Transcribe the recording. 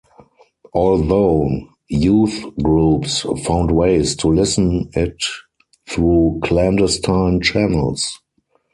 Although youth groups found ways to listen it through clandestine channels.